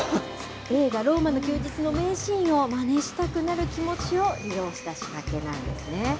映画、ローマの休日の名シーンをまねしたくなる気持ちを利用した仕掛けなんですね。